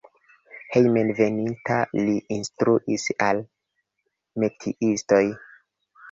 Hejmenveninta li instruis al metiistoj.